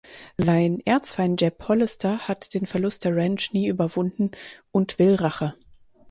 Sein Erzfeind Jeb Hollister hat den Verlust der Ranch nie überwunden und will Rache.